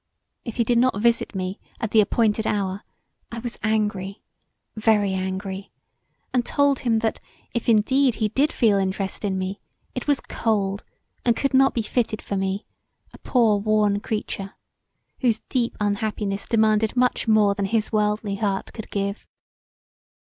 If he did not visit me at the appointed hour I was angry, very angry, and told him that if indeed he did feel interest in me it was cold, and could not be fitted for me, a poor worn creature, whose deep unhappiness demanded much more than his worldly heart could give.